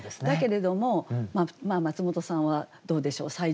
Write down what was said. だけれどもマツモトさんはどうでしょう？